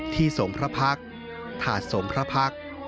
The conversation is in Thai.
สมพระพักษ์ถาดสมพระพักษ์